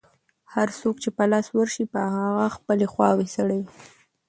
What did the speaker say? هر څوک چې په لاس ورشي، په هغه خپلې خواوې سړوي.